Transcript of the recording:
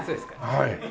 はい。